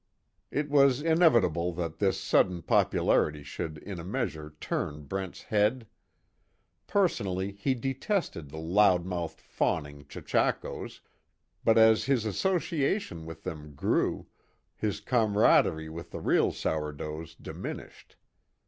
It was inevitable that this sudden popularity should in a measure turn Brent's head. Personally, he detested the loud mouthed fawning chechakos, but as his association with them grew, his comradery with the real sourdoughs diminished.